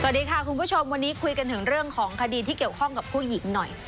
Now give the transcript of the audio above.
สวัสดีค่ะคุณผู้ชมวันนี้คุยกันถึงเรื่องของคดีที่เกี่ยวข้องกับผู้หญิงหน่อย